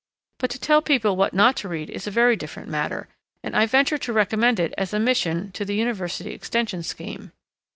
But to tell people what not to read is a very different matter, and I venture to recommend it as a mission to the University Extension Scheme.